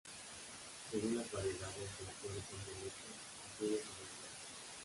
Según las variedades, las flores son violetas, azules o blancas.